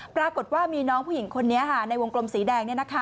ปรากฏว่ามีน้องผู้หญิงคนนี้ในวงกลมสีแดง